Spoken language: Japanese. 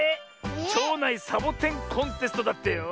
ちょうないサボテンコンテストだってよ。